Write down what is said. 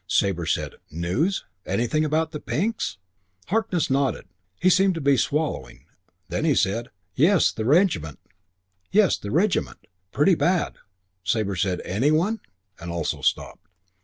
Sabre said, "News? Anything about the Pinks?" Harkness nodded. He seemed to be swallowing. Then he said, "Yes, the regiment. Pretty bad." Sabre said, "Any one ?" and also stopped.